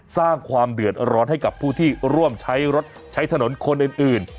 สร้างความเดือดร้อนให้กับผู้ที่ร่วมใช้รถใช้ถนนคนอื่น